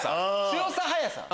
強さ早さ。